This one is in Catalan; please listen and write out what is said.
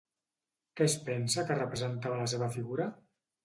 Què es pensa que representava la seva figura?